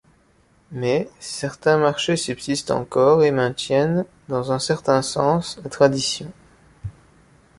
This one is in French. Mais, certains marchés subsistent encore et maintiennent, dans un certain sens, la tradition.